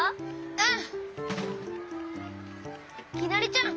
うん。